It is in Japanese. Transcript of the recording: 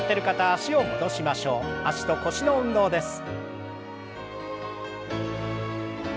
脚と腰の運動です。